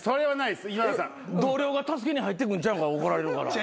同僚が助けに入ってくんちゃうか怒られるから。